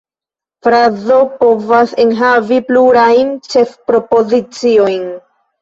Frazo povas enhavi plurajn ĉefpropoziciojn.